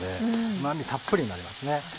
うま味たっぷりになりますね。